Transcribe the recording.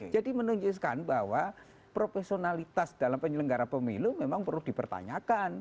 jadi menunjukkan bahwa profesionalitas dalam penyelenggara pemilu memang perlu dipertanyakan